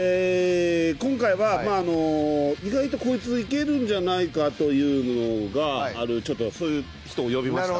今回は、意外とこいついけるんじゃないかというそういう人を呼びました。